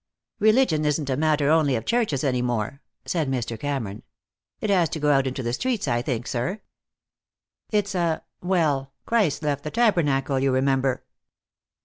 "Religion isn't a matter only of churches any more," said Mr. Cameron. "It has to go out into the streets, I think, sir. It's a well, Christ left the tabernacle, you remember."